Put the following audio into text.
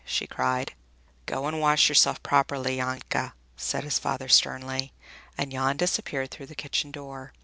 she cried. "Go and wash yourself properly, Janke," said his father sternly, and Jan disappeared through the kitchen door.